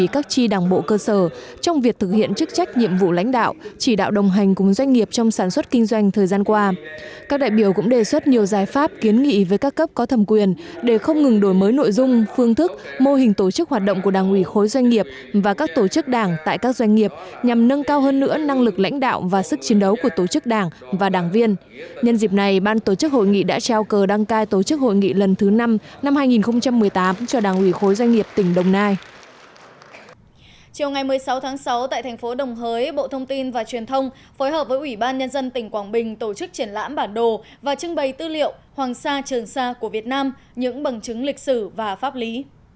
chiều ngày một mươi sáu tháng sáu tại thành phố đồng hới bộ thông tin và truyền thông phối hợp với ủy ban nhân dân tỉnh quảng bình tổ chức triển lãm bản đồ và trưng bày tư liệu hoàng sa trường sa của việt nam những bằng chứng lịch sử và pháp lý